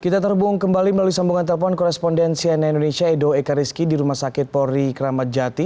kita terhubung kembali melalui sambungan telepon korespondensi ana indonesia edo ekariski di rumah sakit polri kramat jati